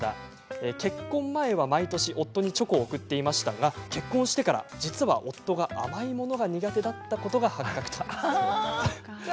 結婚前は毎年夫にチョコを贈っていましたが結婚してから実は、夫が甘いものが苦手だったことが発覚。